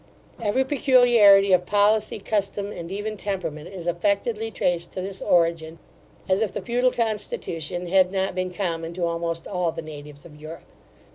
Every peculiarity of policy, custom, and even temperament, is affectedly traced to this origin, as if the feudal constitution had not been common to almost all the natives of Europe.